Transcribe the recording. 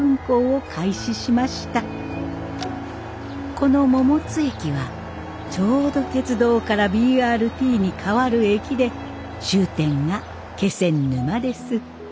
この桃津駅はちょうど鉄道からＢＲＴにかわる駅で終点が気仙沼です。